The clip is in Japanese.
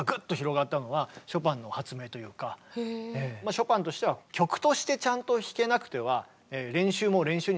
ショパンとしては曲としてちゃんと弾けなくては練習も練習にならないと。